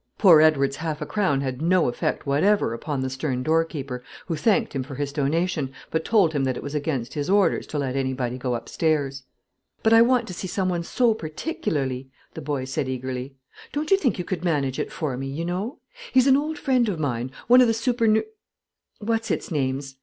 Poor Edward's half a crown had no effect whatever upon the stern door keeper, who thanked him for his donation, but told him that it was against his orders to let anybody go up stairs. "But I want to see some one so particularly," the boy said eagerly. "Don't you think you could manage it for me, you know? He's an old friend of mine, one of the supernu what's its names?"